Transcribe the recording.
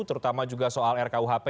terutama juga soal rkuhp